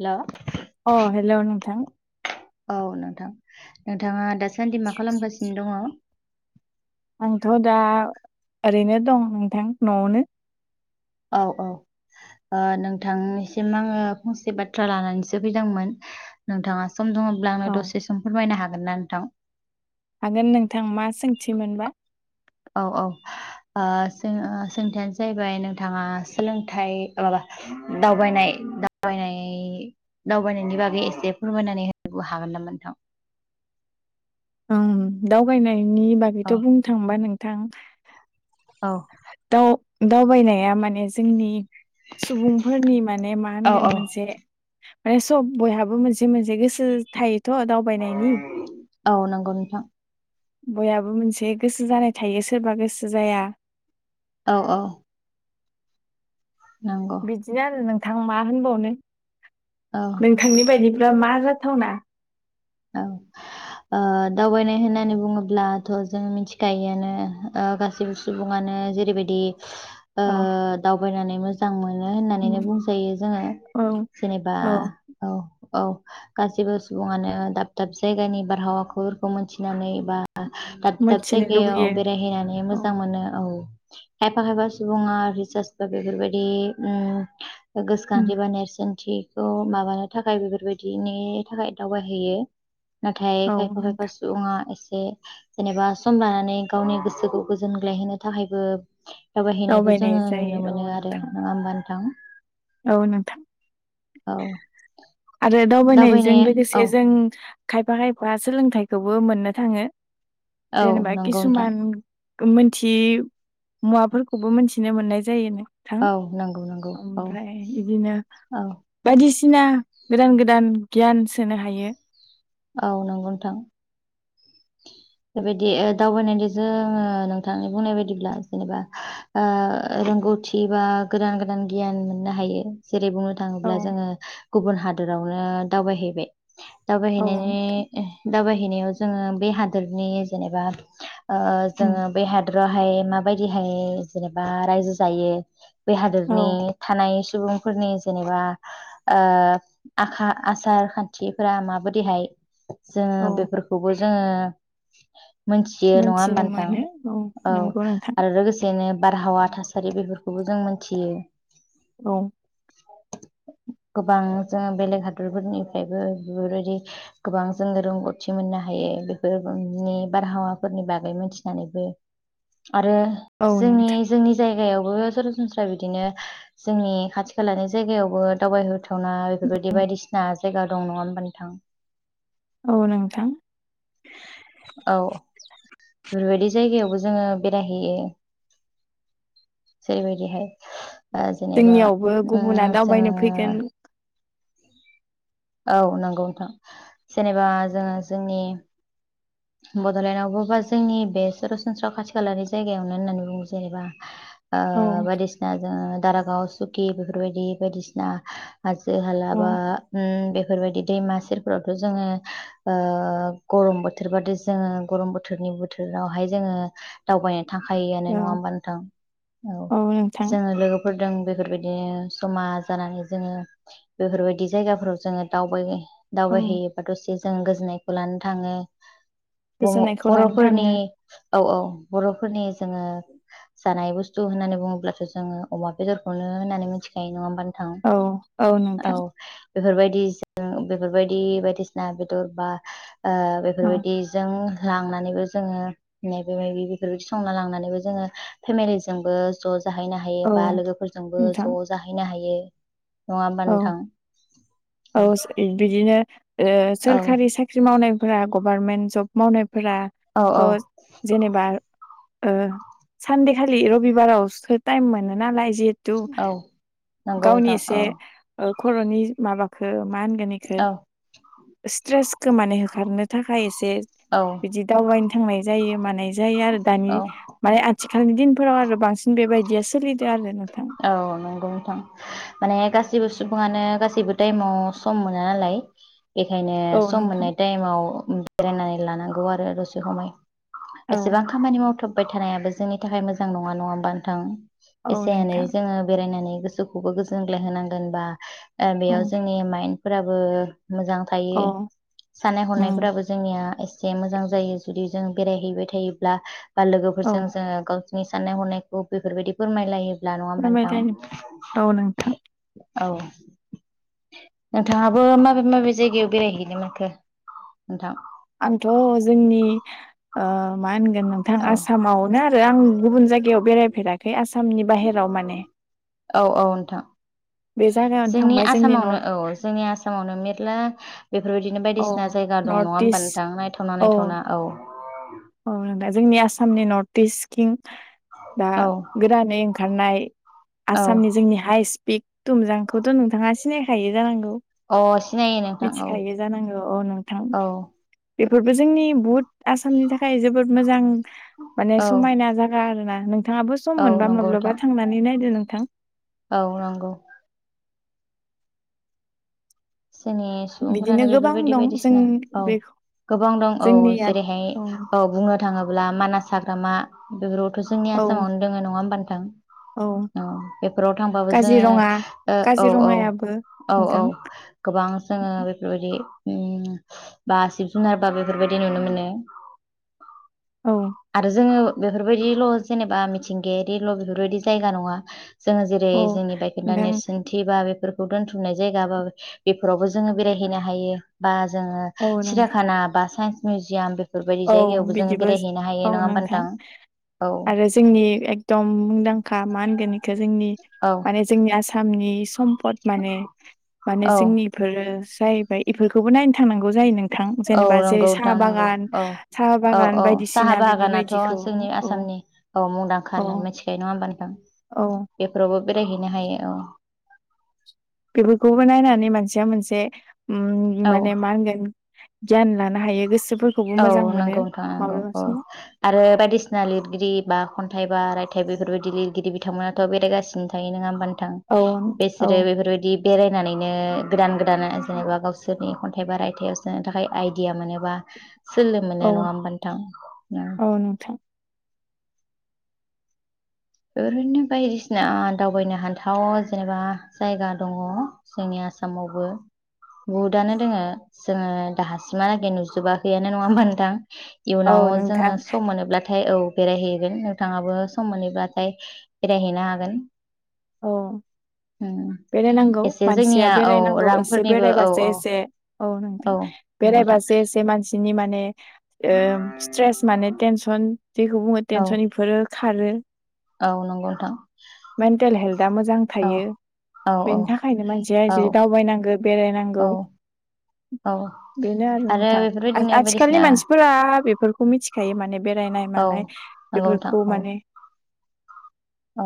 हेल' अ हेल' नोंथां औ नोंथां नोंथाङा दासान्दि मा खालामगासिनो दङ आंथ' दा ओरैनो दं नोंथां न'आवनो औ औ नोंथांनिसिम आङो फंसे बाथ्रा लानानैसो फैदोंमोन नोंथाङा सम दङब्ला औ आंनो दसे सम फोरमायनो हागोन ना नोंथां हागोन नोंथां मा सोंथि मोनबा औ औ सोंथियानो जाहैबाय नोंथाङा सोलोंथाइ अ माबा दावबायनाय दावबायनाय दावबायनायनि बागै एसे फोरमायनानै होनो हागोन नामा नोंथां [inaudible] उ दावबायनायनि औ बागैथ' बुंनो थांबा नोंथां औ दावबायनाया माने जोंनि सुबुंफोरनि माने मा औ औ होनगोन मोनसे मे सब बयहाबो मोनसे मोनसे गोसो थायोथ' दावबायनायनि औ नंगौ नोंथां । बयाबो मोनसे गोसो जानाय थायो सोरबा गोसो जाया । औ औ नंगौ बिदिनो आरो नोंथां मा होनबावनो औ नोंथांनि बायदि मा जाथावना औ ओ दावबायनाय होननानै बुङोब्लाथ' जों मिथिखायोआनो ओ गासैबो सुबुङानो नो जेरैबायदि ओ औ दावबायनानै मोजां मोन मोनो होननानै उम, बुंजायो जोङो औ जेनेबा औ औ औ गासैबो सुबुङानो दाब दाब जायगानि बारहावाफोरखौ मोनथिनानै बा दाब दाब मिथिनो जायगायाव लुबैयो बेरायहैनानै औ मोजां मोनो औ खायफा खायफा सुबुङा रिसार्स बा बेफोरबायदि उ उम गोसोखांथि बा नेरसोनथिखौ माबानो थाखाय बेफोरबायदिनि थाखाय दावबायहैयो । नाथाय औ खायफा खायफा नोंथां सुबुङा ए ऐसे जेनेबा सम लानानै गावनि गोसोखौ गोजोनग्लाय होनोनो थाखायबो दावबायहैनायखौ दावबायनाय जोङो नुनो जायो औ मोनो आरो नोंथां नङा होनबा नोंथां । औ नोंथां औ आरो दावबायनायजों दावबायनाया औ लोगोसे जों खायफा खायफा सोलोंथाइखौबो मोननो थाङो औ जेनेबा नंगौ नोंथां किसुमान मोनथियै मुवाफोरखौबो मोनथिनो मोननाय जायो। थां औ नंगौ नंगौ औ ओमफ्राय बिदिनो औ बायदिसिना गोदान गोदान गियान सोनो हायो औ नंगौ नोंथां बेबायदि ओ दावबायनायनि जोङो नोंथांनि बुंनाय बायदिब्ला जेनेबा ओ रोंगौथि बा गोदान गोदान गियान मोननो हायो । जेरै बुंनो औ थाङोब्ला जोङो गुबुन हादरावनो दावबायहैबाय औ दावबायैनायनि नोंथां नि दावबायहैनायाव जोङो बे हादोरनि जेनेबा ओ उम जोङो बे हादर वहाय माबादिहाय जेनेबा रायजो जायो बे औ हादोरनि थानाय सुबुंफोरनि जेनेबा ओ आखा आसार खान्थिफोरा माबोरैहाय जोङो औ बेफोरखौबो जोङो मोनथियो नङा मोनथिनो होम्बा नोंथां मोनो औ नंगौ नोंथां आरो लोगोसेनो बारहावा थासारि बेफोरखौबो जों मोनथियो औ गोबां जों बेलेग हादरफोरनिफ्रायबो बेफोरबायदि गोबां जोंनो रोंगौथि मोननो हायो बेफोरनि बारहावाफोरनि बागै मोनथिनानैबो आरो औ जोंनि नोंथां जोंनि जायगायाव आवबो सरासनस्रा बिदिनो जोंनि खाथि खालानि जायगायावबो दावबाय थावना बेफोरबायदि बायदिसिना जायगा दं नङा होमबा नोंथां । औ नोंथां । औ बेफोरबायदि जायगायावबो जोङो बेरायहैयो जेरै बायदिहाय जेनेबा जोंनियावबो ओ गुबुना दावबायनो जोङो फैगोन औ नंगौ नोंथां जेनेबा जोङो जोंनि बड'लेण्डआवबो बा जोंनि बे सरासनस्रा खाथि खालानि जायगायावनो होननानै बुङो जेनेबा औ ओ बायदिसिना जोङो दारागाव सुकि बेफोरबायदि बायदिसिना । हाजो औ हालाबा ओम बे- फोरबायदि दैमा सेरफोरावथ' जोङो ओ गरम बो- थोरबादि जोङो गरम बोथोरनि बोथोरावहाय जोङो दावबाय- थांखायोआनो नङा औ होम्बा नोंथां औ जोङो लोगो फोरदों बेफोरबायदिनो जमा जानानै जोङो बेफोरबायदि जायगाफोराव जोङो दावबायो ओं दावबायहैयोबा दसे जोंङो गोजोननायखौ लानो थाङो दिनै गोजोननायखौ लानो बर'फोरनि थाङो औ औ बर'फोरनि जोङो जानाय बुस्थु होननानै बुङोब्लाथ' जोङो अमा बेदरखौनो होननानै मिथिखायो नङा होमबा नोंथां औ औ बेफोरबायदि जों बेफोरबायदि बायदिसिना बेदर बा ओ औ बेफोरबायदिजों लांनानैबो जोङो मायबा मायबि बेफोरबायदि संना लांनानैबो जोङो फेमिलिजोंबो ज' जाहैनो हायो औ बा लोगोफोरजोंबो नोंथां ज' जाहैनो हायो नङा होमबा औ नोंथां औ बिदिनो ओ औ सोरखारि साख्रि मावनायफोरा गभारनमेन्ट जब मावनाय फोरा औ औ थ' जेनेबा ओ सानदेखालि रबिबारावसो टाइम मोनो नालाय जिहेथु औ नंगौ गावनि नोंथां औ एसे खर'नि माबाखौ मा होनगोन इखो औ स्ट्रेसखो माने होखारनो थाख एसे औ बिदि दावबायनो थांनाय जायो मानाय जायो आरो दानि औ माने आथिखालनि दिनफोराव आरो बांसिन बेबायदिया सोलिदो आरो नोंथां औ नंगौ नोंथां माने गाससिबो सु- बुङानो गासैबो टाइमाव सम मोना नालाय बेखायनो औ सम नोंथां मोननाय टाइमाव बेरायनानै लानांगौ आरो दसे खमाय औ एसेबां खामानि मावथाब बाय थानायाबो जोंनि थाखाय मोजां नङा नङा होमा नोंथां औ एसे एनै नोंथां जोङो बेरायनानै गोसोखौबो गोजोनग्लाय होनांगोन बा औ बेयाव जोंनि माइन्द फोराबो । मोजां थायो औ साननाय उम हनायफोराबो जोंनिया ए से मोजां जायो जुदि जों बेरायहैबाय थायोब्ला बा औ लोगोफोरजों जोङो गाव नि साननाय हनायखौ बेफोरबायदि फोरमायलायोब्ला नङा होमबा नोंथां फोरमायलाय औ नोंथां । औ नोंथाङाबो माबे माबे जायगायाव बेरायहैनो मोनखो नोंथां? आंथ जोंनि ओ मा होनगोन नोंथां औ आसामावनो आरो आं गुबुन जायगायाव बेरायफेराखै आसामनि बाहेराव माने औ औ नोंथां बे जायगायावनो जोंनि थांबाय आसामावनो नर्थ औ जोंनि आसामावनो मेरला बेफोरबायदिनो औ बायदिसिना जायगा दं नङा नर्थ होमबा इस्ट नोंथां नायथावना औ नायथावना औ औ नंदा जोंनि आसामनि नर्थ इस्ट किं दा औ गोदानै ओंखारनाय औ आसामनि जोंनि हाइ स्पिक दुमजांखौथ' नोंथाङा सिनायखायो जानांगौ अ सिनायो नोंथां औ मिथिखायो जानांगौ औ नोंथां औ बेफोरबो जोंनि बहुत आसामनि थाखाय जोबोद मोजां माने औ समायना जागा आरो ना नोंथाङाबो सम औ मोनबा नंगौ नोंथां माब्लाबा थांनानै नायदो नोंथां औ नंगौ जोंनि बिदिनो सुबुंफोरानो गोबां बेफोरबायदि दं जों बायदिसिना औ बे गोबां दं औ जोंनिया जेरैहाय औ बुंनो थाङोब्ला मानास हाग्रामा बेफोरावथ' जोंनि औ आसामावनो दोङो नङा होमबा नोंथां औ बेफोराव थांबाबो जोङो काजिरङा औ औ काजिरङायाबो औ औ नोंथां गोबां ओं जोङो बेफोरबायदि उम बा जिब जुनार बा बेफोरबायदि नुनो मोनो औ आरो जोङो बेफोरबायदिल' जेनेबा मिथिंगायारिल' बेफोरबायदि जायगा नङा । जोङो जेरै औ जोंनि बायखोन्दा नोंथां नेरसोनथि बा बेफोरखौ दोन्थुमनाय जायगा बा बेफोरावबो जोङो बेरायहैनो हायो बा जोङो औ नों सिरियाखाना बा साइन्स मिउजियाम बे औ बिदिबो औ नोंथां। औ आरो जोंनि एकदम मुंदांखा मा होनगोन बेखौ जों नि औ माने जोंनि आसामनि सम फद माने माने औ जोंनि इफोरो जाहैबाय बेफोरखौबो नायनो थांनांगौ जायो नों औ नंगौ नोंथां नंगौ। औ साहा औ बागान औ साहा बायदिसिना बागानाथ' बेफोरबायदिखौ जोंनि औ आसामनि औ मुंदांखा औ होननानै मिथिखायो नङा होमबा नोंथां? औ बेफोरावबो बेरायहैनो हायो औ। बेफोरखौबो नायनानै मानसिया मोनसे उम औ माने मा होनगोन गियान लानो हायो गोसो औ नंगौ नोंथां नंगौ औ। आरो बायदिसिना लिरगिरि बा खन्थाइ बा रायथाइ बेफोरबायदि लिरगिरि बिथांमोनाथ' बेरायगासिनो थायो नङा होमबा नों थां? औ औ बिसोरो बेफोरबायदि बेरायनानैनो गोदान गोदान जेनेबा गावसोरनि खन्थाइ बा रायथाइाव सोनो थाखाय आइदिया मोनोबा सोलो मोनो औ नङा होमबा नोंथां? उम। औ नोंथां बेफोरदिनो बायदिसिना दावबायनो हाथाव जेनेबा जायगा दङ जोंनिया आसामावबो। बहुदानो दोङो जोङो दाहासिमानलागै नुजोबाखैयानो नङा होमबा नोंथां? औ इयुनाव जोङो नोंथां सम मोनोब्लाथाय औ बेरायहैगोन नोंथाङाबो सम मोनोब्ला थाय बेरायहैनो हागोन। औ। उम बेरायनांगौ एसे मानसिया जोंनिया औ बेरायनांगौ एसे रांफोरनिबो औ बेरायबासो एसे औ नोंथां। औ नंगौ नोंथां बेरायबासो एसे मानसि नि माने ओ स्ट्रस माने थेनसन जेखौ बुङो थेनसन औ एफोरो खारो। औ नंगौ नोंथां। मेन्टेल हेल्था मोजां औ थायो। औ औ बेनि थाखायनो मानसिया औ जि दावबायनांगौ बेरायनांगौ औ औ बेनो आरो नोंथां आ बेफोरबायदिनो आथिखालनि बायदिसिना मानसिफोरा बेफोरखौ मिथिखायो माने बे रायनाय औ मानाय नंगौ नोंथां बेफोरखौ औ माने औ।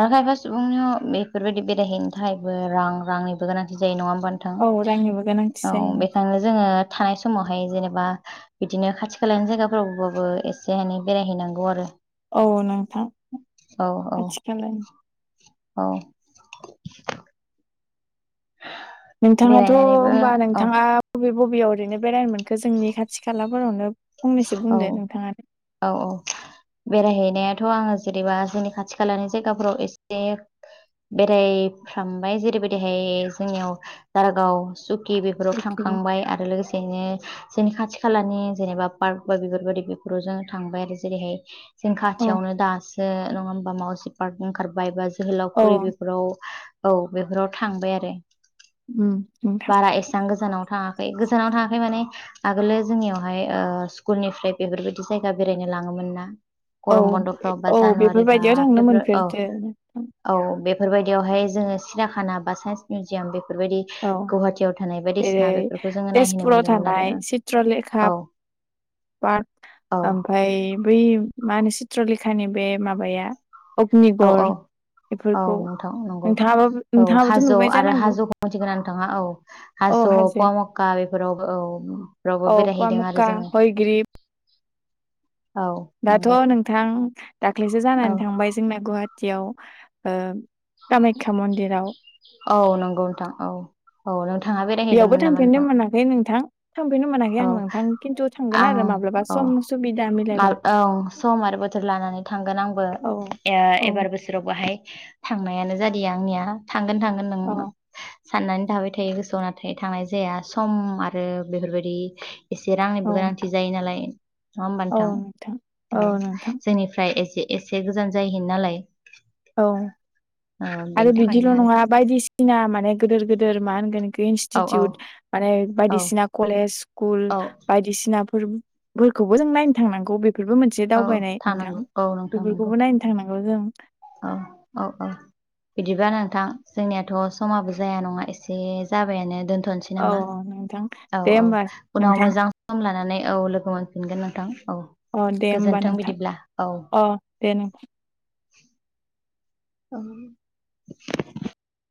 आरो खायफा सुबुंनियाव बेफोरबायदि बेरायहैनो थाखायबो रां रांनिबो गोनांथि जायो नङा होम बा नोंथां औ रांनिबो गोनांथि औ जायो नोंथां बेखायनो जोङो थानाय समावहाय जेनेबा बिदिनो खाथि खालानि जायगाफोरावबाबो एसे एनै बेरायहैनांगौ आरो। औ नोंथां औ औ खाथि खालानि औ। नोंथाङाथ' बेरायनानैबो होनबा औ नोंथाङा बबे बबेयाव ओरैनो बेरायनो मोनखो जोंनि खाथि खालाफोरावनो फंनैसो औ बुंदो नोंथाङानो औ औ बेरायहैनायाथ' आङो जेनेबा जोंनि खाथि खालानि जायगाफोराव एसे बेरायफ्रामबाय जेरैबायदिहाय जोंनियाव दारागाव, सु खि बेफोराव अके। थांखांबाय आरो लोगोसेयैनो जोंनि खाथि खालानि जेनेबा पार्क बा बेफोरबायदि बेफोराव जों थांबाय आरो जेरैहाय जों औ खाथियावनो दासो नङा होमबा माउसि पार्क ओंखारबाय बा औ जोहोलावफुरि बेफोराव औ बेफोराव थांबाय आरो उम नोंथां बारा एसेबां गोजानाव थाङा खै गोजानावनो थाङाखै माने आगोलो जोंनियावहाय ओ स्कुलनिफ्राय बेफोरबायदि जायगा बेरायनो लाङोमोन ना? औ गरम बन्द'फ्राव बा औ जानुवारि बा बेफोरबायदियाव थांनो फेब्रु औ मोनफेरदो नोंथां। औ बे फोरबायदियावहाय जोङो सिरियाखाना बा साइन्स मिउजियाम बे बेफोरबायदि औ गुवाहाटियाव थानाय जेरै बायदिसिना बेफोरखौ जोङो नायहोनो तेजपुराव मोनदोंमोन आरो थानाय ओं औ। पाथ औ ओमफाय बै मा होनो चित्रलेखानि बे माबाया। औ औ अग्निगर। औ बेफोरखौ नोंथां नंगौ नोंथाङाबो औ नोंथाङाबोथ' हाज' नुबाय आरो जानांगौ हाज'खौ मिथिगोना न थाङा औ औ हाज' हाजो कवाम्का बेफोरावबो औ फ्रावबो बेरायहैदों आरो जोङो। गै औ दाथ' नंगौ नोंथां दाख्लैसो औ जानानै थांबाय जोंना गुवाहाट टियाव कामाय्खा मन्दिराव। औ नंगौ नोंथां औ औ नोंथां। नोंथाङा बेयावबो बेरायहैदोंमोन नामा थांफेरनो मोनाखै नोंथां। थांफेरनो मोनाखै औ आं नोंथां खिन्थु थांगोन आरो माब्लाबा सम सुबिदा मिलायबा मल औ सम आरो बोथोर लानानै थांगोन आंबो औ ए औ एबार बोसोराव बाहाय। थांनायानो जादिया आंनिया थांगोन थांगोन नों औ साननानै थाबाय थायो गोसोआव नाथाय थांनाय जाया सम आरो बेफोरबायदि। एसे औ रांनिबो गोनांथि जायो नालाय नङा औ नोंथां होमबानोंथां औ नोंथां जोंनिफ्राय एसे। एसे गोजान जायहैयो नालाय। औ ओ बेनि आरो बिदिल' थाखायनो आरो नङा बायदिसिना माने गोदोर गोदिर मा होनगोन। खो औ औ इनस्टिटिउट माने औ बायदिसिना कलेज स्कुल औ बायदिसिना। फोरोम फोरखौबो जों नायनो थांनांगौ बेफोरबो मोनसे औ दावबायनाय नोंथां थांनांगौ औ नोंथां नंगौ बेफोरखौबो नायनो थांनां औ जों। औ औ औ। बिदिबा नोंथां जोंनियाथ' समाबो जाया नङा एसे जाबायानो दोन थ'नसै औ नामा औ नोंथां औ दे औ होमबा उनाव नोंथां मोजां सम लानानै। औ लोगो मोनफिनगोन नोंथां। औ अ दे होमबा गोजोन्थों नोंथां बिदिब्ला औ। अ दे नों ओं।